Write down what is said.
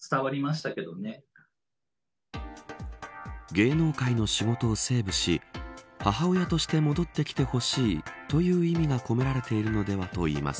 芸能界の仕事をセーブし母親として戻ってきてほしいという意味が込められているのではと言います。